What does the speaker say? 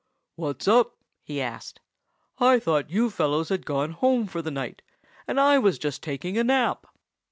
"What's up?" he asked. "I thought you fellows had gone home for the night, and I was just taking a nap."